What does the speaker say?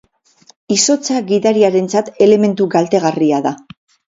Izotza gidariarentzat elementu kaltegarria da.